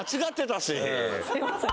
すいません